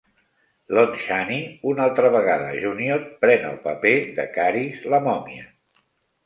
Lon Chaney, una altra vegada júnior pren el paper de Kharis la mòmia.